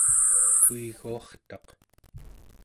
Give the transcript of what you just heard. kuiguartaq